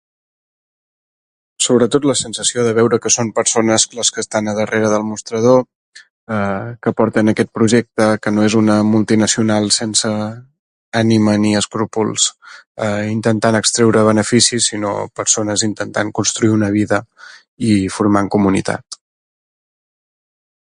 Sobretot la sensació de veure que són persones les que estan a darrere del mostrador, ah, que porten aquest projecte, que no és una multinacional sense ànima ni escrúpols, ah, intentant extreure benefici, sinó persones intentant construir una vida i formant comunitat.